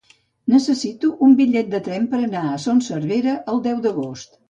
Necessito un bitllet de tren per anar a Son Servera el deu d'agost.